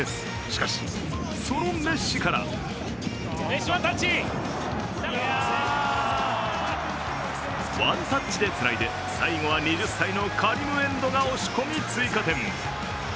しかし、そのメッシからワンタッチでつないで最後は２０歳のカリムエンドが押し込み追加点。